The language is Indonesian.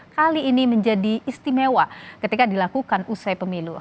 kali ini menjadi istimewa ketika dilakukan usai pemilu